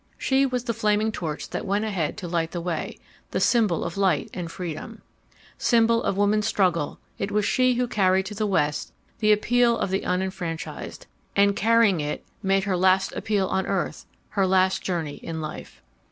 She was the flaming torch that went ahead to light the way—the symbol of light and freedom ... "Symbol of the woman's struggle, it was she who carried to the West the appeal of the unenfranchised, and carrying it, made her last appeal on earth, her last journey in life.